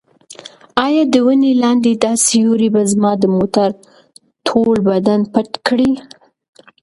ایا د ونې لاندې دا سیوری به زما د موټر ټول بدن پټ کړي؟